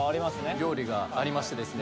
料理がありましてですね